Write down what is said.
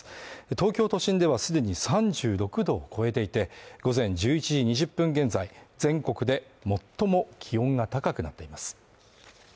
東京都心では既に３６度を超えていて、午前１１時２０分現在、全国で最も気温が高くなっています。